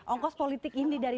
ongkos politik ini dari